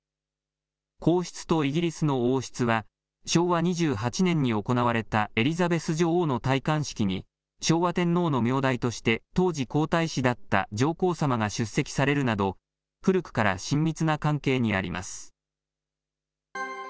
皇室とイギリスの王室は、昭和２８年に行われたエリザベス女王の戴冠式に昭和天皇の名代として当時、皇太子だった上皇さまが出席されるなど、古くから親密な関係にあります。